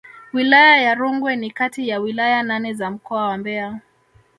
Wilaya ya Rungwe ni kati ya wilaya nane za mkoa wa Mbeya